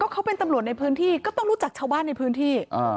เขาเป็นตำรวจในพื้นที่ก็ต้องรู้จักชาวบ้านในพื้นที่